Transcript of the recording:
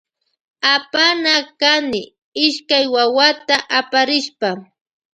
Apana kany ishkay wawata aparishpa.